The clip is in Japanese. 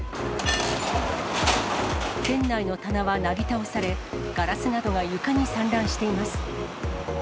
店内の棚はなぎ倒され、ガラスなどは床に散乱しています。